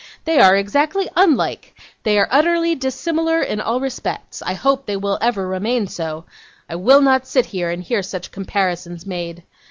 They are exactly unlike. They are utterly dissimilar in all respects. I hope they will ever remain so. I will not sit here, and hear such comparisons made.